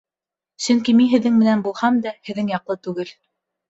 Сөнки мин һеҙҙең менән булһам да, һеҙҙең яҡлы түгел.